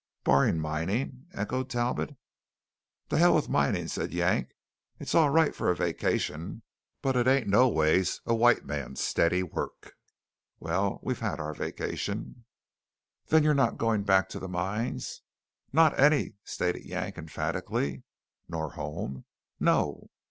"Barring mining?" echoed Talbot. "To hell with mining!" said Yank; "it's all right for a vacation, but it ain't noways a white man's stiddy work. Well, we had our vacation." "Then you're not going back to the mines?" "Not any!" stated Yank emphatically. "Nor home?" "No."